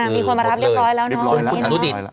มีคนมารับเรียบร้อยแล้วเนาะ